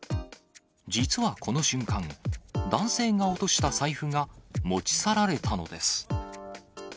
実はこの瞬間、男性が落とした財布が持ち去られたのです。